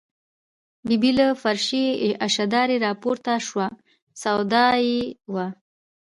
ببۍ له فرشي اشدارې راپورته شوه، سودا یې وه.